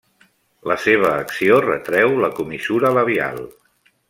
La seva acció retreu la comissura labial.